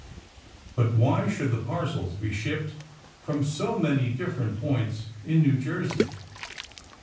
*^But why should the parcels be shipped from so many different points in New Jersey